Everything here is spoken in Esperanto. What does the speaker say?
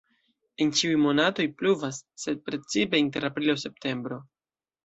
En ĉiuj monatoj pluvas, sed precipe inter aprilo-septembro.